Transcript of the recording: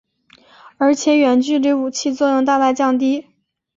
而且远距离武器作用大大降低。